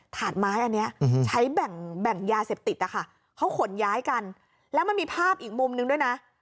ถาดไม้อันนี้ใช้แบ่งยาเสพติดนะคะเขาขนย้ายกันแล้วมันมีภาพอีกมุมนึงด้วยนะ